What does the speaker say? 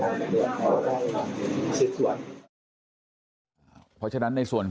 ที่อยู่ในในเกิดจำนี้ที่เขานอนอยู่